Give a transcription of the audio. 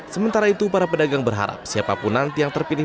sementara itu para pedagang berharap siapapun nanti yang terpilih